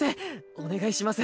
お願いします。